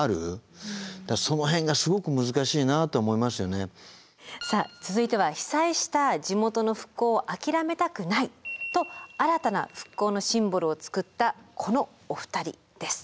でもやっぱインタビューを聞いていても昔からさあ続いては被災した地元の復興を諦めたくないと新たな復興のシンボルを作ったこのお二人です。